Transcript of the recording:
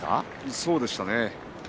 そうでしたね。